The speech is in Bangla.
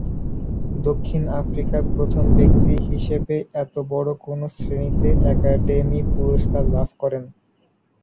দক্ষিণ আফ্রিকার প্রথম ব্যক্তি হিসেবে এতবড় কোন শ্রেণীতে একাডেমি পুরস্কার লাভ করেন।